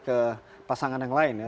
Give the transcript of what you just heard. ke pasangan yang lain ya